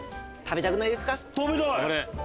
食べたい！